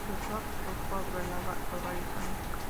Regreso a Cuzco a gobernar por varios años.